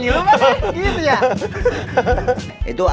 ngilu mah deh gitu ya